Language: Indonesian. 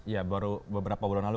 ya baru beberapa bulan lalu